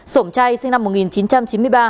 sổm chay sinh năm một nghìn chín trăm chín mươi ba